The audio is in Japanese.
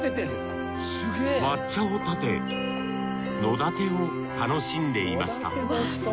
抹茶を点て野点を楽しんでいました。